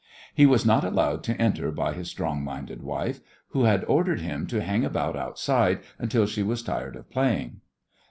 He was not allowed to enter by his strong minded wife, who had ordered him to hang about outside until she was tired of playing.